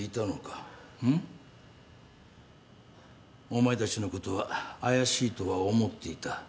お前たちのことは怪しいとは思っていた。